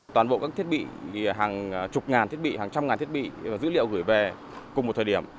toàn bộ các thiết bị hàng chục ngàn thiết bị hàng trăm ngàn thiết bị và dữ liệu gửi về cùng một thời điểm